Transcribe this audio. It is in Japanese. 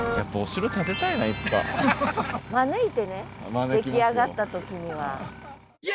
招いてね出来上がった時には。